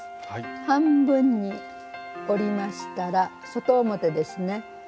半分に折りましたら外表ですね。